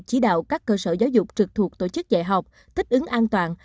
chỉ đạo các cơ sở giáo dục trực thuộc tổ chức dạy học thích ứng an toàn